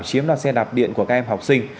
chiếm đoạt xe đạp điện của các em học sinh